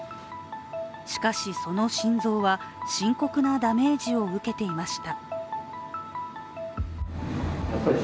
しかし、その心臓は深刻なダメージを受けていました。